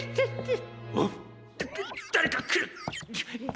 だだだれかくる。